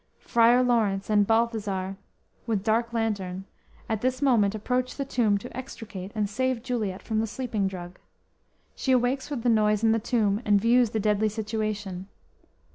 "_ Friar Laurence and Balthazar with dark lantern, at this moment approach the tomb to extricate and save Juliet from the sleeping drug. She awakes with the noise in the tomb and views the deadly situation.